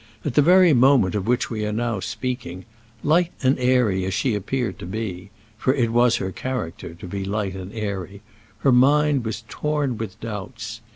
At the very moment of which we are now speaking, light and airy as she appeared to be for it was her character to be light and airy her mind was torn with doubts.